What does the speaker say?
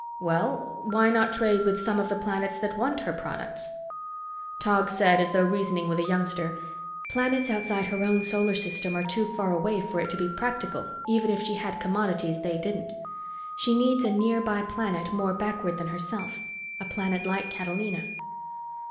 "Well, why not trade with some of the planets that want her products?" Tog said as though reasoning with a youngster, "Planets outside her own solar system are too far away for it to be practical even if she had commodities they didn't. She needs a nearby planet more backward than herself, a planet like Catalina."